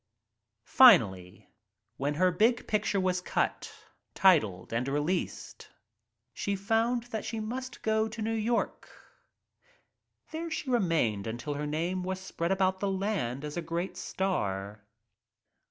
Finally, when her big picture was cut, titled and released, she found that she must go to New York There she remained until her name was spread about the land as a great star.